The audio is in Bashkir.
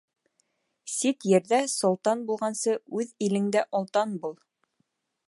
Сит ерҙә солтан булғансы, үҙ илеңдә олтан бул.